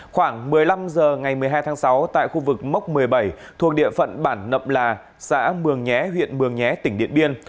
khoảng một mươi năm h ngày một mươi hai tháng sáu tại khu vực mốc một mươi bảy thuộc địa phận bản nậm là xã mường nhé huyện mường nhé tỉnh điện biên